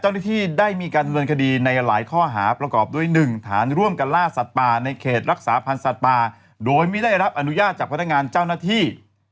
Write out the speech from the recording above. ได้มีการดำเนินคดีในหลายข้อหาประกอบด้วย๑ฐานร่วมกันล่าสัตว์ป่าในเขตรักษาพันธ์สัตว์ป่าโดยไม่ได้รับอนุญาตจากพนักงานเจ้าหน้าที่